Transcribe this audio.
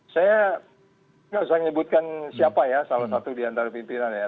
saya tidak usah menyebutkan siapa ya salah satu di antara pimpinan ya